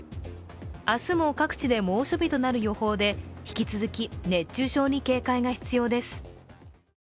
明日も各地で猛暑日となる予報で引き続き、熱中症に警戒が必要です